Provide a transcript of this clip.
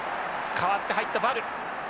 代わって入ったヴァル。